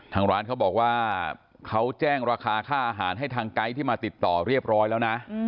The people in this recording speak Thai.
ทางร้านเขาบอกว่าเขาแจ้งราคาค่าอาหารให้ทางไกด์ที่มาติดต่อเรียบร้อยแล้วนะ